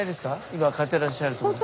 今刈ってらっしゃるところ。